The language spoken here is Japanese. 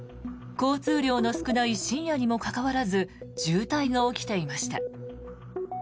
交通量の少ない深夜にもかかわらず渋滞が起きていました。